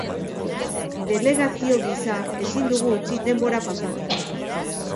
Delegazio gisa ezin dugu utzi denbora pasatzen.